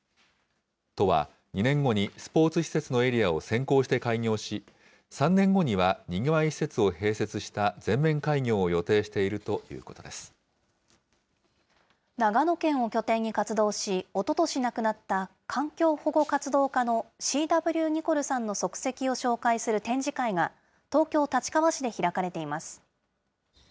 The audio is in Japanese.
都は、２年後にスポーツ施設のエリアを先行して開業し、３年後にはにぎわい施設を併設した全面開業を予定しているという長野県を拠点に活動し、おととし亡くなった環境保護活動家のＣ．Ｗ．ニコルさんの足跡を紹介する展示会が東京・立川市で開かれています。